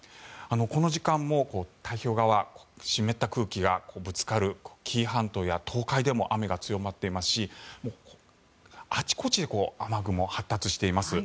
この時間も、太平洋側は湿った空気がぶつかる紀伊半島や東海でも雨が強まっていますしあちこちで雨雲が発達しています。